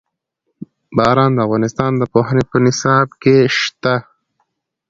باران د افغانستان د پوهنې په نصاب کې شته.